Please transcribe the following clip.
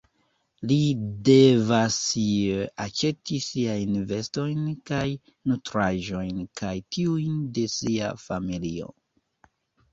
Li devasj aĉeti siajn vestojn kaj nutraĵojn kaj tiujn de sia familio.